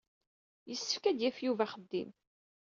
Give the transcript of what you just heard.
Yessefk ad d-yaf Yuba axeddim.